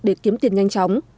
để kiếm tiền nhanh chóng